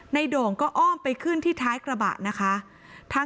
โด่งก็อ้อมไปขึ้นที่ท้ายกระบะนะคะ